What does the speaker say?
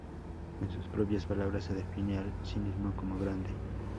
En sus propias palabras se define a sí mismo como grande.